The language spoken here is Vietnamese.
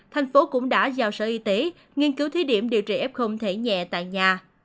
thành phố cũng đã giao sở y tế nghiên cứu thí điểm điều trị f thể nhẹ tại nhà